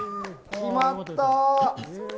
決まった！